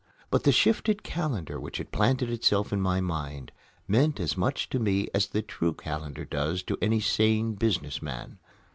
But the shifted calendar which had planted itself in my mind meant as much to me as the true calendar does to any sane business man.